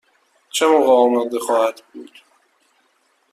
چه موقع آماده خواهد بود؟